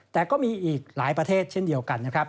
แต่ก็มีอีกหลายประเทศเช่นเดียวกันนะครับ